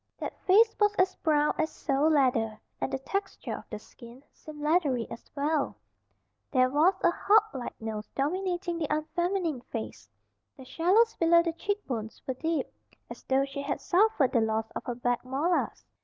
That face was as brown as sole leather, and the texture of the skin seemed leathery as well. There was a hawklike nose dominating the unfeminine face. The shallows below the cheekbones were deep, as though she had suffered the loss of her back molars.